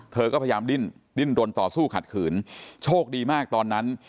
เธอก็พยายามดิ้นดิ้นรนต่อสู้ขัดขืนโชคดีมากตอนนั้น